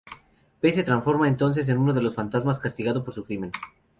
Pey se transforma entonces en uno de los fantasmas, castigado por su crimen.